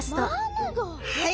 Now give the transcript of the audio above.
はい。